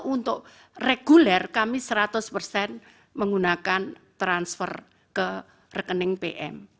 untuk reguler kami seratus persen menggunakan transfer ke rekening pm